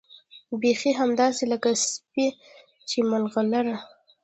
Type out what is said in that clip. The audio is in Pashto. بيخي همداسې لکه سيپۍ چې ملغلره